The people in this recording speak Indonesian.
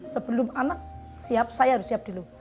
sebelum anak siap saya harus siap dulu